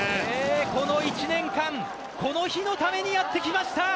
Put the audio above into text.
この１年間この日のためにやってきました。